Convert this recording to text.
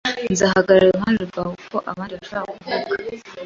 Nzahagarara iruhande rwawe uko abandi bashobora kuvuga